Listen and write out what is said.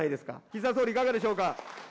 岸田総理いかがでしょうか。